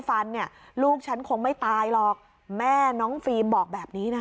ฟันเนี่ยลูกฉันคงไม่ตายหรอกแม่น้องฟิล์มบอกแบบนี้นะ